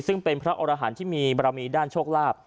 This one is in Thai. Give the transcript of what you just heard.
ซึ่งเป็นพระอรหันธ์ที่มีบรมีด้านโชคลาภ